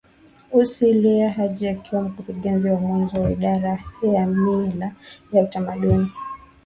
Ussi Yahya Haji akiwa mkurugenzi wa mwanzo wa Idara ya Mila na Utamaduni